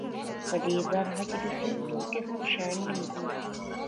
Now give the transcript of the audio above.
په دې برخه کې د سون توکي هم شامل دي